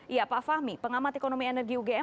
iya pak fahmi pengamat ekonomi energi ugm